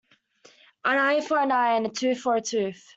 An eye for an eye and a tooth for a tooth.